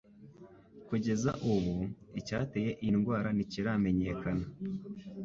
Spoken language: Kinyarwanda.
Kugeza ubu, icyateye iyi ndwara ntikiramenyekana.